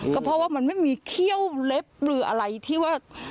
ก็เพราะว่ามันไม่มีเขี้ยวเล็บหรืออะไรที่ว่า